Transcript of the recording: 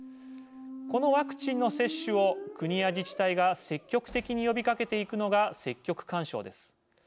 このワクチンの接種を国や自治体が積極的に呼びかけていくのが積極勧奨です。